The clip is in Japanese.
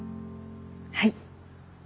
はい。